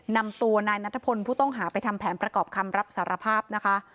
นำตัวนายนัทพลผู้ต้องหาไปทำแผนประกอบคำรับสารภาพนะคะ